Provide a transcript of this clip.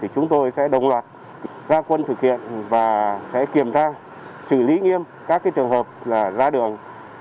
chúng tôi sẽ đồng loạt gia quân thực hiện và sẽ kiểm tra xử lý nghiêm các trường hợp ra đường